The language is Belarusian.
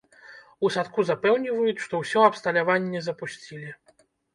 У садку запэўніваюць, што ўсё абсталяванне запусцілі.